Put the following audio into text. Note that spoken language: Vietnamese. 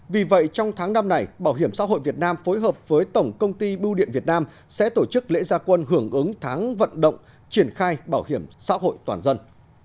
vì vậy trong tháng năm này bảo hiểm xã hội việt nam phối hợp với tổng công ty bưu điện việt nam sẽ tổ chức lễ gia quân hưởng ứng tháng vận động triển khai bảo hiểm xã hội toàn dân